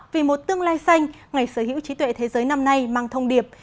vì một tương lai xanh ngày sở hữu trí tuệ thế giới năm nay mang thông điệp